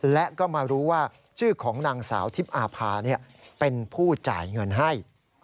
และก็มารู้ว่าชื่อของนางสาวทิพย์อาภาเป็นผู้จ่ายเงินให้